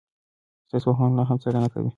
ساینسپوهان لا هم څېړنه کوي.